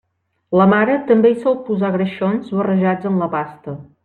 La mare també hi sol posar greixons barrejats en la pasta.